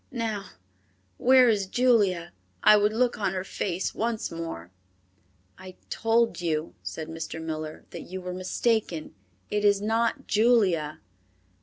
Now, where is Julia? I would look on her face once more." "I told you," said Mr. Miller, "that you were mistaken; it is not Julia."